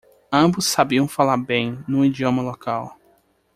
Ambos sabiam falar bem no idioma local.